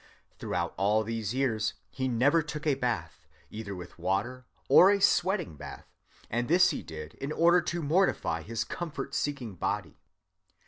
Throughout all these years he never took a bath, either a water or a sweating bath; and this he did in order to mortify his comfort‐seeking body.